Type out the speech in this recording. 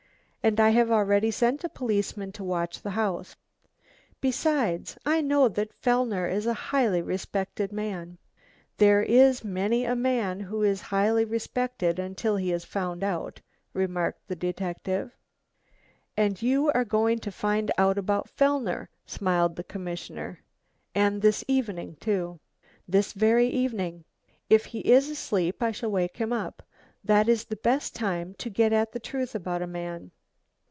And I have already sent a policeman to watch the house. Besides, I know that Fellner is a highly respected man. "There is many a man who is highly respected until he is found out," remarked the detective. "And you are going to find out about Fellner?" smiled the commissioner. "And this evening, too?" "This very evening. If he is asleep I shall wake him up. That is the best time to get at the truth about a man."